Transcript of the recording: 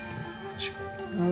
うん。